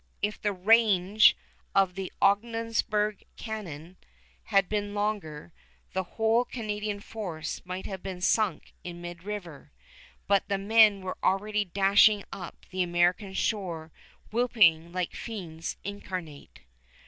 If the range of the Ogdensburg cannon had been longer, the whole Canadian force might have been sunk in mid river; but the men were already dashing up the American shore whooping like fiends incarnate.